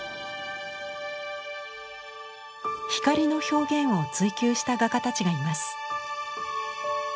光の表現を追求した画家たちがいます。